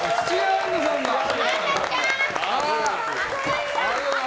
アンナちゃん！